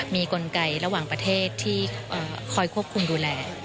มีกลไกระหว่างประเทศที่คอยควบคุมดูแล